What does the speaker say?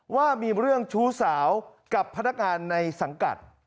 ว่ามีเรื่องชู้สาวกับพนักงานในสังกัด